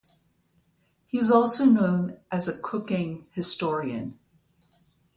He is also known as a cooking historian.